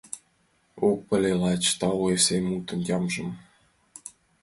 Ок пале лач «тау» эсен мутын ямжым